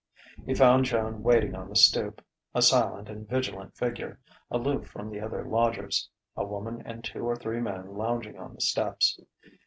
He found Joan waiting on the stoop: a silent and vigilant figure, aloof from the other lodgers a woman and two or three men lounging on the steps.